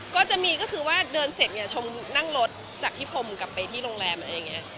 ก็จะมีก็คือว่าเดินเสร็จเนี่ยชมนั่งรถจากที่พรมกลับไปที่โรงแรมอะไรอย่างนี้